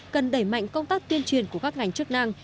cần đẩy mạnh công tác tuyên truyền của các ngành chức năng